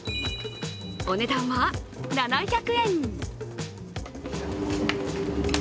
お値段は、７００円。